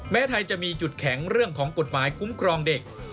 ไทยจะมีจุดแข็งเรื่องของกฎหมายคุ้มครองเด็ก